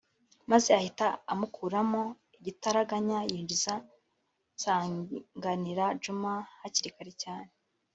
maze ahita amukuramo igitaraganya yinjiza Nsanganira Djuma hakiri kare cyane